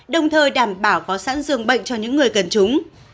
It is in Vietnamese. đồng thời đảm bảo có sẵn dường bệnh cho những người cần chúng